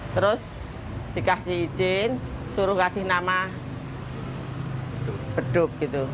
terus dikasih izin suruh kasih nama beduk gitu